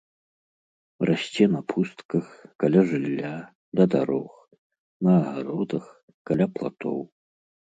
Расце на пустках, каля жылля, ля дарог, на агародах, каля платоў.